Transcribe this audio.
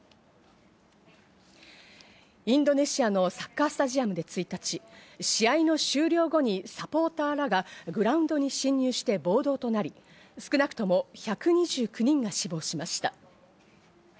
インドネシアのサッカースタジアムで１日、試合の終了後にサポーターがグラウンドに侵入して暴動となり、少なくとも１２９人が死亡しました。